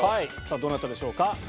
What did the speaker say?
どなたでしょうか？